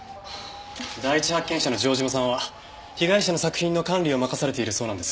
第一発見者の城島さんは被害者の作品の管理を任されているそうなんです。